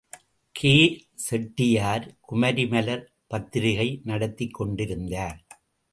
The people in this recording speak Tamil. கே. செட்டியார் குமரி மலர் பத்திரிகை நடத்திக் கொண்டிருந்தார்.